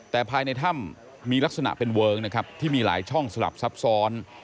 แต่ภายในถ้ำมีลักษณะเป็นเวิร์งนะครับที่มีหลายช่องสลับซับซ้อน